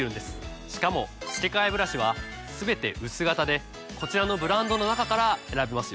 しかも付け替えブラシはすべて薄型でこちらのブランドの中から選べますよ。